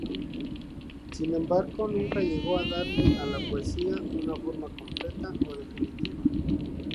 Sin embargo, nunca llegó a darle a la poesía una forma completa o definitiva.